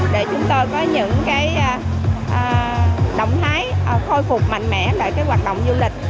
để chúng tôi có những động thái khôi phục mạnh mẽ về hoạt động du lịch